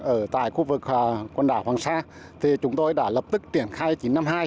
ở tại khu vực quần đảo hoàng sa thì chúng tôi đã lập tức triển khai chín trăm năm mươi hai